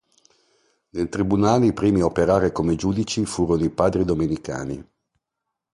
Nel tribunale i primi a operare come giudici furono i Padri Domenicani.